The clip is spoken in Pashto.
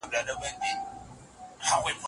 د ادب تفسیر د بصیرت غوښتنه کوي.